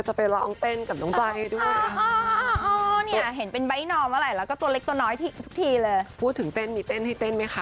ใช่จริงกันดี